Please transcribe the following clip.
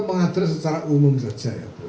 pengadilan secara umum saja ya